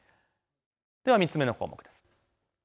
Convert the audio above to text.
では３つ目の項目です。